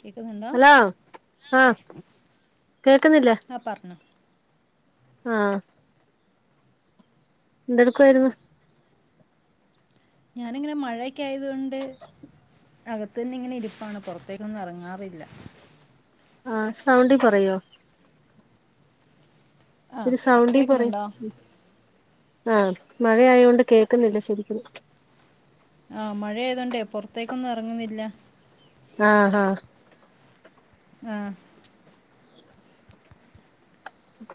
കേക്കുന്നുണ്ട ആഹ കേക്കുന്നില്ല ആ പറഞ്ഞോ ആഹ എന്തെടുക്കുവായിരുന്നു ഞാനിങ്ങനെ മഴൊക്കെ ആയത് കൊണ്ട് അകത്തു തന്നെ ഇങ്ങനെ ഇരിപ്പാണ് പുൊറത്തേക്കൊന്നും ഇറങ്ങാറില്ല ആഹ സൗണ്ടിൽ പറയോ ആ ഒരു സൗണ്ടീ പറയാ കേൾക്കുന്നുണ്ടോ ആഹ മഴയൊണ്ട് കേക്കുന്നില്ല ശരിക്ക ആഹ് മഴ ആയതണ്ടേ പുറത്തേക്കൊന്നും ഇറങ്ങുന്നില്ല ആഹ ആഹ ആഹ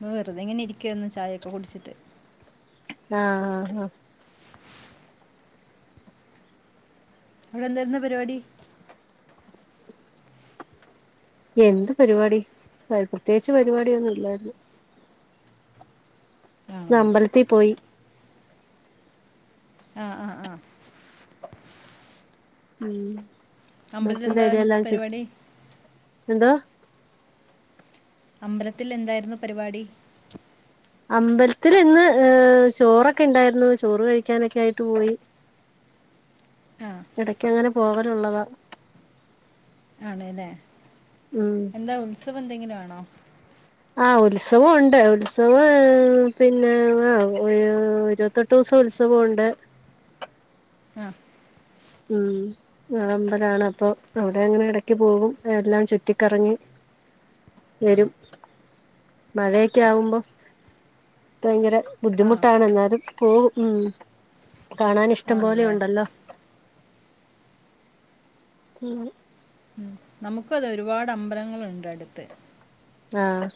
വെറുതെ ഇങ്ങനെ ഇരിക്കുവു ചായയൊക്കെ കുടിച്ചിട്ട് ആഹ ആഹ് ആഹ അവിടെ എന്തായിുന്ന പരിപാടി എന്ത് പരിപാടി പ്രത്യേകിച്ച് പരിപാടിൊന്നും ഇല്ലായിരുന്നു ന ആണോ അമ്പലത്തി പോയി ആ ആ ആ ഉം അമ്പലത്തിൽ മറ്റിന്റെ എന്താ ഐഡിയ എല്ലാ ച പരിപാടി എന്തോ അമ്പലത്തില് എന്തായിരുന്നു പരിപാടി അമ്പലത്തിൽ ഇന്ന് ഏർ ചോറൊക്കെ ഇണ്ടായിരുന്നു ചോറ് കഴിക്കാനൊക്കെ ആയിട്ട് പോയി ആ ഇടക്ക് അങ്ങനെ പോവലള്ളതാ ആണല്ലേ എന്താ ഉത്സവം എന്തെങ്കിലും ആണോ ആ ഉത്സവംുണ്ട് ഉത്സവം പിന്നെ ഇരുപത്തെട്ട് ദിവസം ഉത്സ അസവുണ്ട് ആഹ ഉം ആ അമ്പലാണ് അപ്പൊ അവിടെ അങ്ങനെ ഇടക്ക് പോകും എല്ലാം ചുറ്റിക്കറങ്ങി വരും മഴയൊക്കെ ആകുമ്പോ ഭയങ്കര ആ ബുദ്ധിമുട്ടാണ് എന്നാലും പോ ഉം കാണാൻ ഇഷ്ടം ആണ് പോലെ അല്ലേ ഉണ്ടല്ലോ പി നമുക്ക അത് ഒരുപാട് അമ്പലങ്ങളുണ്ട് അടുത്ത് ആഹ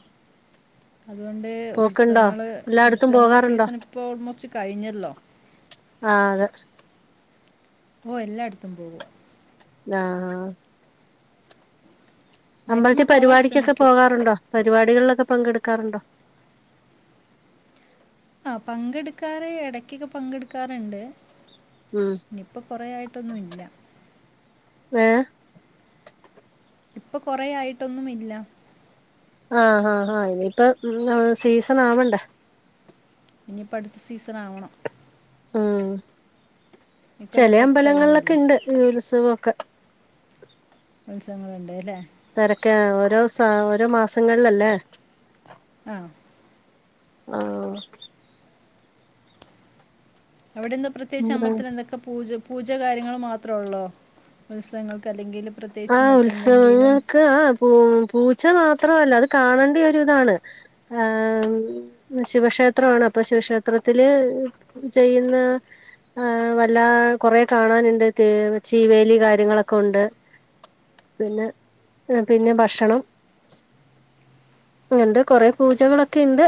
അതുകൊണ്ട് ഉത്സവങ്ങള് എല്ലായിടത്തും ഉത്സവങ്ങള് പോകാറുണ്ടോ സീസണ ഇപ്പോൾ ഓൾമോസ്റ്റ് കഴിഞ്ഞല്ലോ ആഹ അതെ ഓ എല്ലായിടത്തും പോവു ആഹ ആഹ അമ്പഴത്തെ മാക്സിമം പോകാൻ പരിപാടിക്കൊക്കെ ശ്രമിക്കും പോകാറുണ്ടോ പരിപാടികളിലൊക്കെ പങ്കെടുക്കാറുണ്ടോ ആഹ പങ്കെടുക്കാറ് ഇടക്കൊക്കെ പങ്കെടുക്കാറുണ്ട് ഉം ഇനിപ്പ കൊറ ആായിട്ടൊന്നുംല്ല ഏ ഇപ്പൊ കൊറ ആായിട്ടൊന്നും ഇല്ല ആഹ ഹാ ഹാ ഇനിയിപ്പ സീസൺ ആവണ്ട ഇനിയിപ്പ അടുത്ത സീസൺ ആവണോ ചെില അമ്പലങ്ങളിലൊക്കെ കഴിഞ്ഞില്ലേ ഉണ്ട് ഈ ഉത്സവൊക്കെ ഉത്സവങ്ങുണ്ട അല്ലേ തിരക്ക ഓരോ സ ഓരോ മാസങ്ങളിലല്ലേ ആഹ ആഹ അവിടെന്ത പ്രത്യേകിച്ച് അമ്പലത്തിലെന്തക്കപൂജ പൂജ കാര്യങ്ങൾ മാത്രഒള്ളോ ഉത്സവങ്ങൾക്ക് അല്ലെങ്കില് ആ ഉത്സവങ്ങൾക്ക് ആ പൂ പൂ ഉച്ച മാത്രല്ല അത് കാണേണ്ടിയ ഒരു ഇതാണ്. ശിവക്ഷേത്രണ് അപ്പൊ ക്ഷേത്രത്തില് ചെയ്യുന്ന ആ വല്ല കൊറെ കാണാനുണ്ട്. ചീവേലി കാര്യങ്ങളൊക്കെ ഒണ്ട്. പിന്നെ പിന്നെ ഭക്ഷണം അങ്ങണ്ട് കൊറെ പൂജകളൊക്കെ ഇണ്ട്.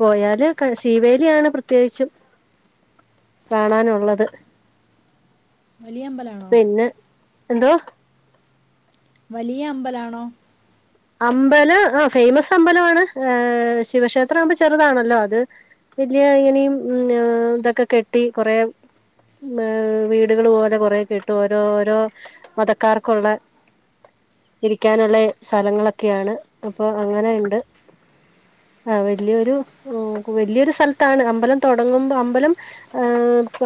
പോയാല് ക ശീവേലിയാണ് പ്രത്യേകിച്ചും. കാണാനുള്ളത്. വലിയമ്പലാണോ? പിന്നെ എന്തോ? വലിയ അമ്പലാണോ? അമ്പലം ആ ഫേമസ് അമ്പലമാണ് ഏർ ശിവക്ഷേത്രം ആമ്പോ ചെറുതാണല്ലോ അത് വല്യ ഇങ്ങനെയും ഇതൊക്കെ കെട്ടി കൊറെ ഏ വീടുകള് പോലെ കൊറെ കെട്ടും ഓരോ ഓരോ മതക്കാർക്കുള്ള ഇരിക്കാനുള്ള സ്ഥലങ്ങളൊക്കെയാണ് അപ്പൊ അങ്ങനെണ്ട്. ആ വല്യൊരു വലിയൊരു സ്ഥലത്താണ് അമ്പലം തുടങ്ങുമ്പോ അമ്പലം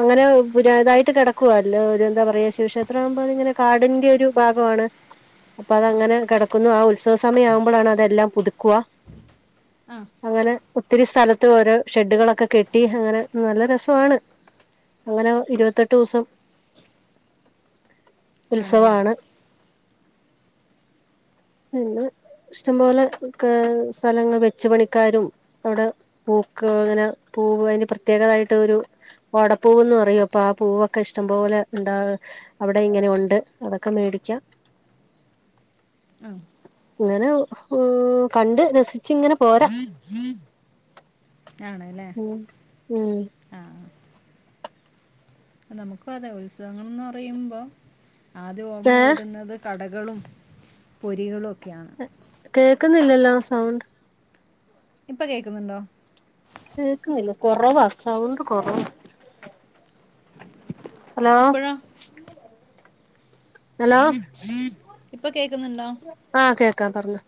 അങ്ങനെ പുരാതായിട്ട് കിടക്കുവല്ലോ ഒരു എന്താ പറയാ ശിവക്ഷേത്ര ആവുമ്പോ അ ഇങ്ങനെ കാടിന്റെ ഒരു ഭാഗമാണ്. അപ്പൊ അതങ്ങനെ കെട ക്കുന്നു ആ ഉത്സവ സമയം ആവുമ്പോഴാണ് അതെല്ലാം പുതുക്കുവ. ആ അങ്ങനെ ഒത്തിരി സ്ഥലത്ത് ഓരോ ഷെഡുകളൊക്കെ കെട്ടി അങ്ങനെ നല്ല രസവാണ്. അങ്ങനെ ഇരുപത്തെട്ട് ദൂസം ആണല്ലേ ഉത്സവാണ്. അങ്ങനെ ഇഷ്ടംപോലെ ക്കെ സ്ഥലങ്ങൾ വെച്ച് പണിക്കാരും അവിടെ പൂക്ക് അങ്ങനെ പൂവ് അതിന് പ്രത്യേകായിട്ട് ഒരു ഓടപ്പൂവന്ന് പറയും അപ്പൊ ആ പൂവൊക്കെ ഇഷ്ടംപോലെ ഉണ്ടാ അവിടെ ഇങ്ങനെ ഉണ്ട് അതൊക്കെ മേടിക്ക. ആ ഇങ്ങനെ കണ്ട് രസിചിങ്ങനെ പോരാ. ആണ് ല്ലേ ഉം ഉം ആഹ് നമുക്കു അതെ ഉത്സവങ്ങൾന്ന് പറയുമ്പോ ആദ്യം ഓർമ്മ ഏഹ് വരുന്നത് കട ളും പൊരികളു കേക്കുന്നില്ലല്ലോ സൗണ്ട്. ഇപ്പ കേക്കുന്നുണ്ടോ? കേക്കുന്നില്ല കൊറവ സൗണ്ട് കൊറവ. ഹലോ ഇപ്പോഴോ ഹലോ? ഇപ്പം കേൾക്കുന്നുണ്ടോ ആഹ് കേക്കാ പറഞ്ഞോ?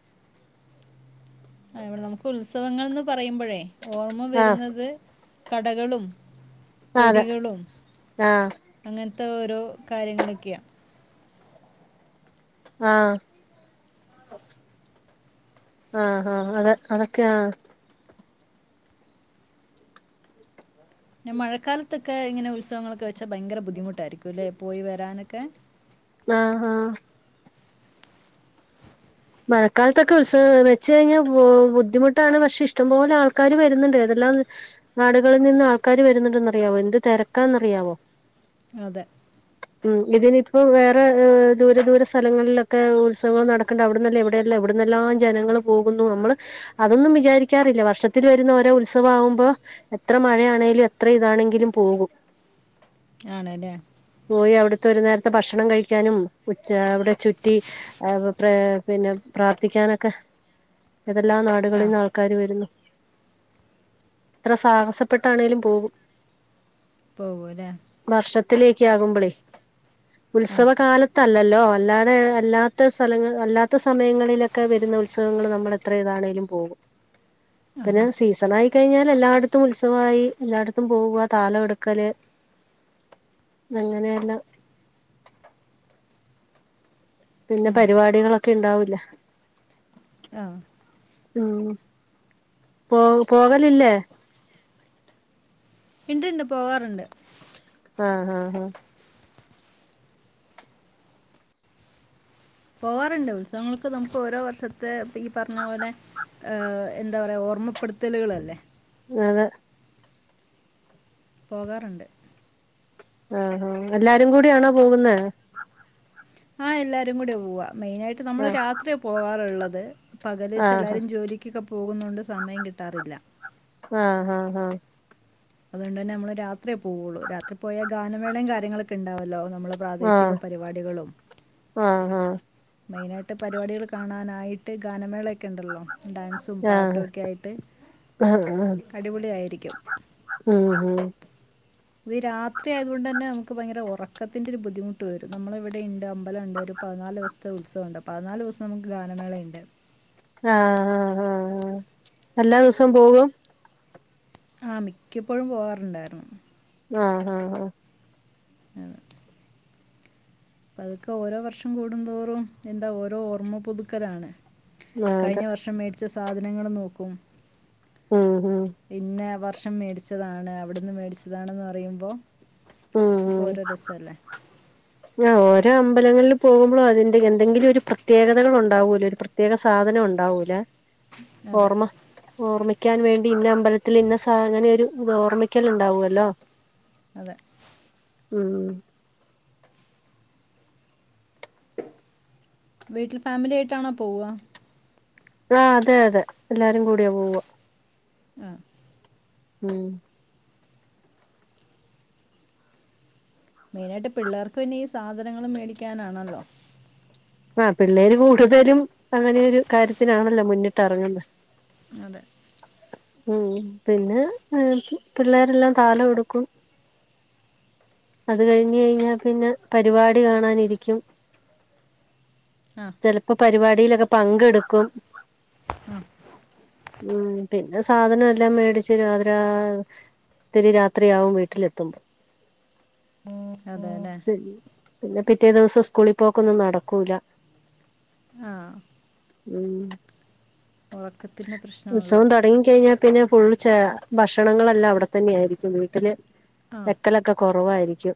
ആ ഇവിടെ നമുക്ക് ഉത്സവങ്ങൾന്ന് പറയുമ്പഴേ ഓർമ്മ ആഹ് വരുന്നത് കടകളും അതെ പൊരികളും ആഹ് അങ്ങനത്തെ ഓരോ കാര്യങ്ങളൊക്കെയാ. ആഹ് ആഹ് ആഹ് അത അതൊക്കെയാ. ന്നെ മഴക്കാലത്തൊക്കെ ഇങ്ങനെ ഉത്സവങ്ങളൊക്കെ വെച്ചാ ഭയങ്കര ബുദ്ധിമുട്ടായിരിക്കുംല്ലെ പോയി വരാനൊക്കെ. ആഹ് ഹാ മഴക്കാലത്തൊക്കെ ഉത്സവം വെച്ച് കഴിഞ്ഞാ ബുദ്ധിമുട്ടാണ്. പക്ഷെ ഇഷ്ടംപോലെ ആൾക്കാര് വരുന്നുണ്ട്. ഏതെ ല്ലാം നാടുകളി നിന്നും ആൾക്കാര് വരുന്നുണ്ടെന്നറിയാവോ എന്ത് തിരക്കാന്ന്റിയാവോ? അതെ. ഉം ഇതിനിപ്പോ വേറെ ദൂര ദൂര സ്ഥലങ്ങളിലൊക്കെ ഉത്സവം നടക്കേണ്ട അവിട ന്നല്ല എവിടെയല്ല എവിടുന്നെല്ലാം ജനങ്ങള് പോകുന്നു നമ്മള് അതൊന്നും വിചാരിക്കാറില്ല വർഷത്തില് വരുന്ന ഓരോ ഉത്സ വാവുമ്പോ എത്ര മഴയാണെലും എത്ര ഇതാണെങ്കിലും പോകും. ആണ് ല്ലേ. ത്തൊരു നേരത്തെ ഭക്ഷണം കഴിക്കാനും ഉച്ച അവിടെ ചുറ്റി പിന്നെ പ്രാർത്ഥിക്കാനൊക്കെ ഏതെല്ലാ നാടുകളിൽ ആ നിന്നാ ആൾക്കാര് വരുന്നു എത്ര സാഹസപ്പെട്ടാണേലും പോകും പോവൂല്ലേ ഉച്ചയാകുമ്പളേ ഉത്സവ കാലത്തല്ലല്ലോ അല്ലാതെ അല്ലാത്ത സ്ഥലങ്ങള് അല്ലാ ത്ത സമയങ്ങളിലൊക്കെ വരുന്ന ഉത്സവങ്ങൾ നമ്മൾ എത്രേയിണേലും പോകും ആ പിന്നെ ഹാ സീസൺ ആയി കഴിഞ്ഞാൽ എല്ലായിടത്തും ഉത്സവായി എല്ലായിടത്തും പോവുക താലം എടുക്കല് അങ്ങനെയല്ലാം പിന്നെ ആ പരിപാടികളൊക്കെ ഇണ്ടാവില്ല ആഹ് മ് പോ പോകലില്ലേ ഇണ്ട് ഇണ്ട് പോകാറുണ്ട് ആഹ് ആഹ് ഹേ പോവാറുണ്ട് ഉത്സവങ്ങളൊക്കെ നമുക്ക് ഓരോ വർഷത്തെ ഈ പറഞ്ഞ പോലെ- എന്താ പറയാ ഓർമ്മപ്പെടുത്തലുകളല്ലേ അതെ പോകാറുണ്ട് ആഹ് ആഹ് എല്ലാരും കൂടിയാണോ പോകുന്നേ ആഹ് എല്ലാരും കൂടിയാ പോവാ മെയിനായിട്ട് നമ്മള് ആഹ് രാത്രിയാ പോവാറുള്ളത് പകല് പക്ഷെ ആഹ് എല്ലാവരും ജോലിക്കൊക്കെ പോകുന്നോണ്ട് സമയം കിട്ടാറില്ല ആഹ് ആഹ് ആ ഹ് അതുകൊണ്ട് തന്നെ നമ്മള് രാത്രിയെ പോകുള്ളൂ രാത്രി പോയാൽ ഗാനമേളയും കാര്യങ്ങളൊക്കെ ഉണ്ടാവല്ലോ നമ്മളുടെ പ്രാദേശിക ആഹ് പരിപാടികളും- ആഹ് മെയിനായിട്ട് പരിപാടികൾ കാണാനായിട്ട് ഗാനമേളയൊക്കെ ഉണ്ടല്ലോ ഡാൻസും ആഹ് ആഹ് പാട്ടൊക്കെയായിട്ട് ആഹ് അടിപൊളിയായിരിക്കും. ഉം ഉം ഇത് രാത്രി ആയത് കൊണ്ട് തന്നെ നമുക്ക് ഭയങ്കര ഉറക്കത്തിന്റെ ഒരു ബുദ്ധിമുട്ട് വരും. നമ്മള് ഇവിടെ ഇണ്ട് അമ്പലംണ്ട്. രു പതിനാല് ദിവസത്തെ ഉത്സവണ്ട്. പതിനാല് ദിവസോം നമുക്ക് ഗാനമേളണ്ട്. ആഹ് ആഹ് ആഹ് ആഹ് എല്ലാ ദിവസവും പോകും? ആഹ് മിക്കപ്പോഴും പോവാറുണ്ടായിരുന്നു. ആഹ് ആഹ് ആഹ് അവ് അതൊക്കെ ഓരോ വർഷം കൂടുന്തോറും എന്താ ഓരോ ഓർമ്മ പുതുക്കലാണ്. അതെ കഴിഞ്ഞ വർഷം മേടിച്ച സാധനങ്ങള് നോക്കും. ഉം ഉം ഷം മേടിച്ചതാണ് അവിടുന്ന് മേടിച്ചതാണെന്ന് പറയുമ്പോ ഉം അതൊക്കെ ഉം ഓരോ രസല്ലേ. ഞാൻ ഓരോ അമ്പലങ്ങളില് പോകുമ്പോഴ് അതിന്റെ എന്തെങ്കിലൊരു പ്രത്യേകതകൾ ഉണ്ടാവൂലോ ഒരു പ്രത്യേക സാധനം ഉണ്ടാവൂലെ. അതെ ഓർമ്മ ഓർമ്മിക്കാൻ വേണ്ടി ഇന്ന അമ്പലത്തിൽ ഇന്ന സാധനെരു അത് ഓർമ്മിക്കല് ണ്ടാവോല്ലോ. അതെ ഉം വീട്ടിൽ ഫാമിലി ആയിട്ടാണോ പോവ? ആഹ് അതെ അതെ എല്ലാരും കൂടിയാ പോവ. ആഹ് ഉം മെയിനായിട്ട് പിള്ളേർക്ക് പിന്നെ ഈ സാധനങ്ങള് മേടിക്കാനാണല്ലോ. ആഹ് പിള്ളേര് കൂടുതലും അങ്ങനെരു കാര്യത്തിനാണല്ലോ മുന്നിട്ട് ഇറങ്ങുന്നെ. അതെ- ഉം പിന്നെ പിള്ളേരെല്ലാം താലം എടുക്കും- അത് കഴിഞ്ഞ് കഴിഞ്ഞാ പിന്നെ പരിപാടി കാണാനിരിക്കും. ആ ചെലപ്പം പരിപാടിയിലക്കെ പങ്കെടുക്കും- ഉം പിന്നെ സ് സാധനം എല്ലാം മേടിച്ച് പാതി രാ ഒത്തിരി രാത്രിയാവും വീട്ടിലെത്തുമ്പം- ഉം അതെല്ലെ- പിന്നെ പിറ്റേ ദിവസം സ്കൂളിൽ പോക്കൊന്നും നടക്കൂല്ല- ആഹ് - മ് - ഉറക്കത്തിന്റെ പ്രശ്നമാണല്ലോ? കഴിഞ്ഞാൽ പിന്നെ ഫുൾ ചെ ഭക്ഷണങ്ങളെല്ലാം അവിടെത്തന്നെ ആയിരിക്കും വീട്ടില് ആ വെക്കലൊക്കെ കുറവ കുറവായിരിക്കും.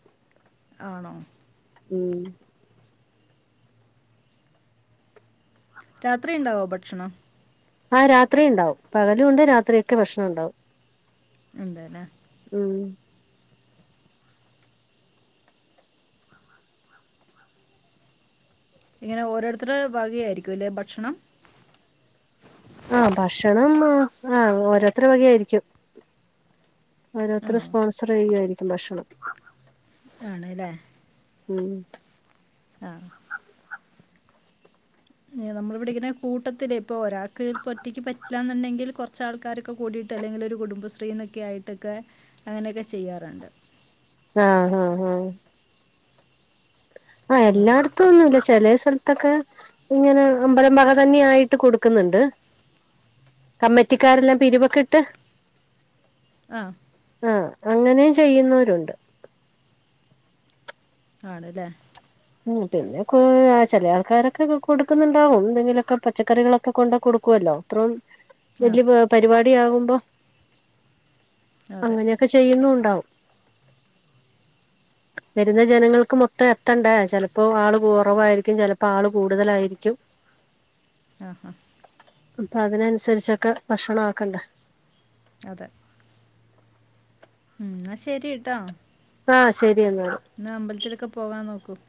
ആണോ? ഉം രാത്രിയ ഉണ്ടാവോ ഭക്ഷണം ആ രാത്രി ഉണ്ടാവും പകലുണ്ട് രാത്രിയ ഒക്കെ ഭക്ഷണം ഉണ്ടാവും അതലെ ഉം ഇങ്ങനെ ഓരോരുത്തരു വക ആയിരിക്കും അല്ലെ ഭക്ഷണം ആഹ ഓരോരുത്ത വകയയിരിക്കും ആ ഓരോരുത്തരും സ്പോൺസർ ചെയ്യുകായിരിക്കും ഭക്ഷണം. ആണല്ലേ ഉം ആഹ് നമ്മളിവിടെ ഇങ്ങനെ കൂട്ടത്തിലെ ഇപ്പൊ ഒരാൾക്ക്പ്പൊ ഒറ്റക്ക് പറ്റില്ലന്നുണ്ടെങ്കിൽ കുറച്ചാൾക്കാരൊക്കെ കൂടിട് അല്ലെങ്കിലൊരു കുടുംബശ്രീനൊക്കെ ആയിട്ടൊക്കെ അങ്ങനെയൊക്കെ ചെയ്യാറുണ്ട്. ആഹ ഹഹ് ഹഹ് ആഹ അതെ എല്ലായിടത്തും ഒന്നുംല്ല ചില സ്ഥലത്ത് ത്തൊക്കെ ഇങ്ങനെ അമ്പലം വക തന്നെ ആയിട്ട് കൊടുക്കുന്നുണ്ട് കമ്മിറ്റിക്കാരെല്ലാം പിരിവൊക്കെ ഇട്ട് ആഹ് ആഹ് അങ്ങനെ ചെയ്യുന്നവരുണ്ട് ആണല്ലേ ഉ പിന്നെ ചില ആൾക്കാരൊക്കെ കൊടുക്കുന്നുണ്ടാവും എന്തെങ്കിലുമൊക്കെ പച്ചക്കറികളൊക്കെ കൊണ്ട് കൊടുക്കുവായിരിക്കും ല്ലോ അത്ര ആ വലിയ പരിപാടി ആകുമ്പോ അതെ അങ്ങനെയൊക്കെ ചെയ്യുന്നു ഉണ്ടാവും വരുന്ന ജനങ്ങൾക്ക് മൊത്തം എത്തണ്ടേ ചിലപ്പോ ആൾ കുറവായിരിക്കും ചിലപ്പോ ആൾ കൂടുതലായിരിക്കും [unintelligible] ആഹ് ആ അപ്പൊ അതിനനുസരിച്ചൊക്കെ ഭക്ഷണ ആക്കണ്ടേ? അതെ, ഉം ശരി ട്ടോ ആഹ് ശരി എന്നാല് എന്നാ അമ്പലത്തിലൊക്കെ പോകാൻ നോക്കും